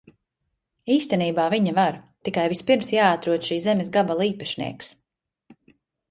Īstenībā viņa var, tikai vispirms jāatrod šīs zemes gabala īpašnieks.